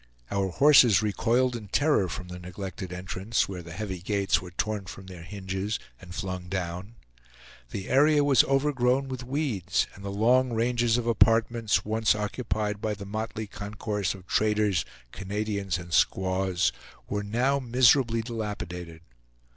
Our horses recoiled in terror from the neglected entrance, where the heavy gates were torn from their hinges and flung down. The area within was overgrown with weeds, and the long ranges of apartments, once occupied by the motley concourse of traders, Canadians, and squaws, were now miserably dilapidated.